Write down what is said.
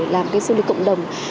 làm cái du lịch cộng đồng